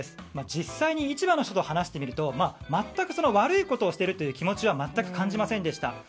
実際に市場の人と話してみると全く悪いことをしているという気持ちは感じませんでした。